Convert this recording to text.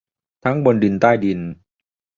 ทั้งบนดินใต้ดิน